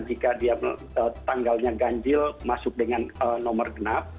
jika dia tanggalnya ganjil masuk dengan nomor genap